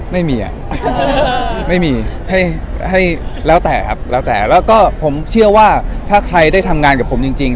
ไม่มีอ่ะไม่มีให้ให้แล้วแต่ครับแล้วแต่แล้วก็ผมเชื่อว่าถ้าใครได้ทำงานกับผมจริง